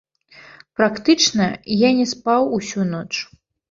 Практычна я не спаў усю ноч.